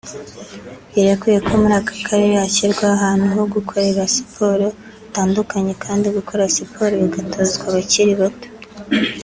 Birakwiye ko muri aka karere hashyirwaho ahantu ho gukorera siporo hatandukanye kandi gukora siporo bigatozwa abakiri bato